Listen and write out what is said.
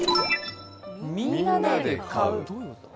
みんなで買う？